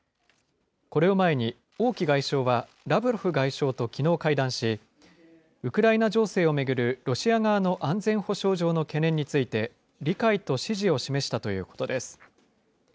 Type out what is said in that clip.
これを前に、王毅外相はラブロフ外相ときのう会談し、ウクライナ情勢を巡るロシア側の安全保障上の懸念について、理解と支持を示したということです。